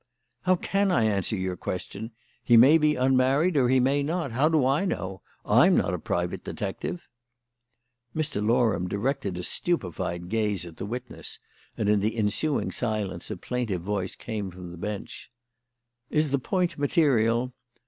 "How can I answer your question? He may be unmarried or he may not. How do I know? I'm not a private detective." Mr. Loram directed a stupefied gaze at the witness, and in the ensuing silence a plaintive voice came from the bench: "Is the point material?"